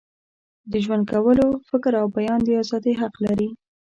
د ژوند کولو، فکر او بیان د ازادۍ حق لري.